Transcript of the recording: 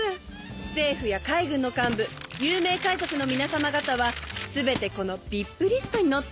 政府や海軍の幹部有名海賊の皆さま方は全てこのＶＩＰリストに載っておりますので。